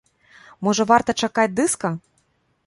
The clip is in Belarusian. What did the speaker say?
Можа, варта чакаць дыска?